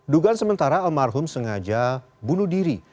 dugaan sementara almarhum sengaja bunuh diri